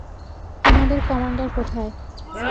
তোমাদের কমান্ডার কোথায়?